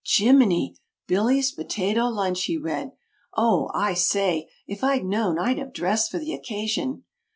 ] "Jimminy! 'Billy's Potato Lunch,'" he read. "Oh, I say if I'd known I'd have dressed for the occasion!"